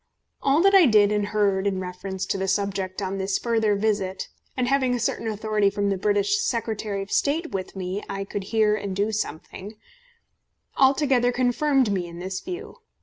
All that I did and heard in reference to the subject on this further visit, and having a certain authority from the British Secretary of State with me I could hear and do something, altogether confirmed me in this view.